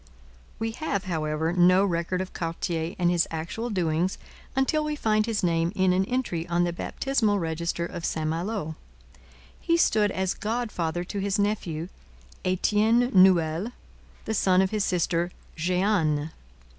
We have, however, no record of Cartier and his actual doings until we find his name in an entry on the baptismal register of St Malo. He stood as godfather to his nephew, Etienne Nouel, the son of his sister Jehanne.